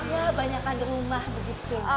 ya banyak kan di rumah begitu